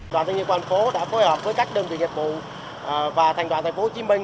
đoàn thanh niên công an thành phố đã phối hợp với các đơn vị nghiệp vụ và thành đoàn thành phố hồ chí minh